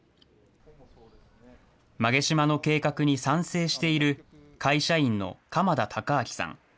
馬毛島の計画に賛成している、会社員の鎌田孝章さん。